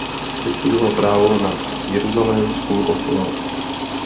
Vystudoval právo na Jerusalem School of Law.